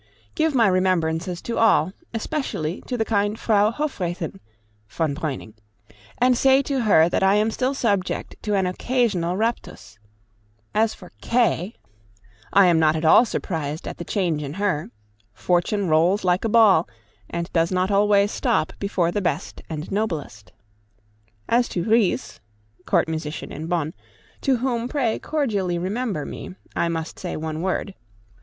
Give my remembrances to all, especially to the kind Frau Hofräthin [von Breuning], and say to her that I am still subject to an occasional raptus. As for K , I am not at all surprised at the change in her: Fortune rolls like a ball, and does not always stop before the best and noblest. As to Ries [Court musician in Bonn], to whom pray cordially remember me, I must say one word.